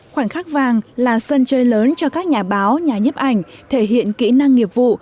khoảnh khắc vàng là sân chơi lớn cho các nhà báo nhà nhấp ảnh thể hiện kỹ năng nghiệp vụ